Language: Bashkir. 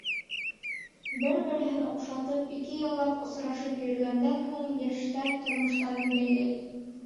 Бер-береһен оҡшатып ике йыллап осрашып йөрөгәндән һуң, йәштәр тормоштарын бәйләй.